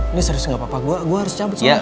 ini serius gak papa gue harus cabut soalnya